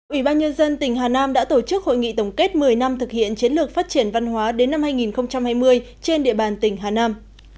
ủy ban nhân dân tỉnh hà nam đã tổ chức hội nghị tổng kết một mươi năm thực hiện chiến lược phát triển văn hóa đến năm hai nghìn hai mươi trên địa bàn tỉnh hà nam